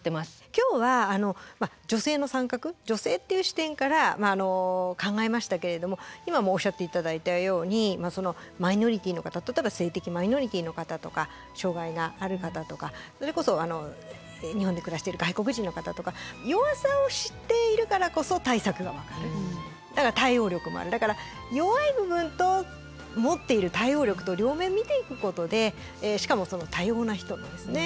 今日は女性の参画女性っていう視点から考えましたけれども今もおっしゃって頂いたようにマイノリティーの方例えば性的マイノリティーの方とか障害がある方とかそれこそ日本で暮らしている外国人の方とか弱さを知っているからこそだから弱い部分と持っている対応力と両面見ていくことでしかも多様な人のですね